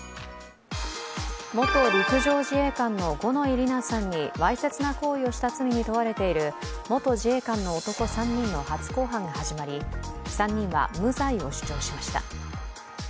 元陸上自衛官の五ノ井里奈さんにわいせつな行為をした罪に問われている元自衛官の男３人の初公判が始まり３人は無罪を主張しました。